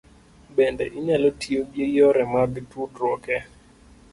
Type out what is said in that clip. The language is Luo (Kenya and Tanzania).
Bende, inyalo tiyo gi yore mag tudruok e